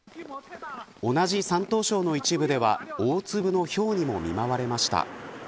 同じ山東省の一部では大粒のひょうにも見舞われました。